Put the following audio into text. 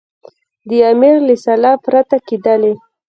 د امیر له سلا پرته کېدلې.